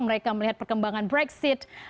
mereka melihat perkembangan brexit